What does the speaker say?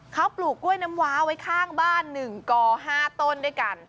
เขาปลูกกล้วยน้ำว้าไว้ข้างบ้าน๑ก๕ต้นด้วยกัน